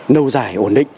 nâu dài ổn định